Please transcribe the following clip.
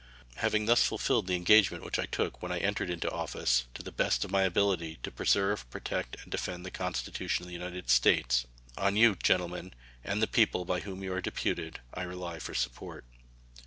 Having thus fulfilled the engagement which I took when I entered into office, "to the best of my ability to preserve, protect, and defend the Constitution of the United States", on you, gentlemen, and the people by whom you are deputed, I rely for support.